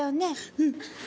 うん。